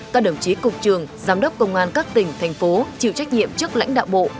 các đồng chí cục trường giám đốc công an các tỉnh thành phố chịu trách nhiệm trước lãnh đạo bộ